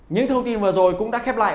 những thông tin vừa rồi cũng đã khép lại